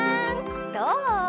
どう？